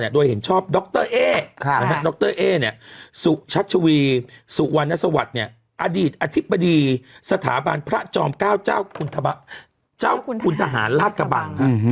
โดยเห็นชอบดรเอ๊ดรเอ๊สุชัชวีสุวรรณสวัสดิ์อดีตอธิบดีสถาบันพระจอม๙เจ้าคุณทหารราชกระบัง